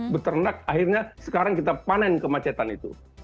beternak akhirnya sekarang kita panen kemacetan itu